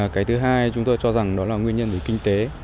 cái thứ hai chúng tôi cho rằng đó là nguyên nhân về kinh tế